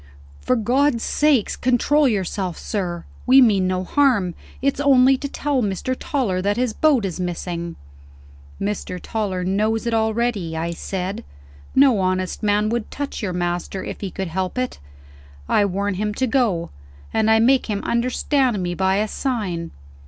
"For God's sake, control yourself, sir! We mean no harm. It's only to tell Mr. Toller that his boat is missing." "Mr. Toller knows it already," I said. "No honest man would touch your master if he could help it. I warn him to go; and I make him understand me by a sign."